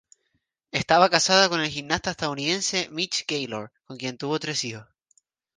Estaba casada con el gimnasta estadounidense Mitch Gaylord con quien tuvo tres hijos.